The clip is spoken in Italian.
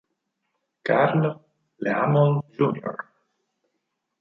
Carl Laemmle Jr.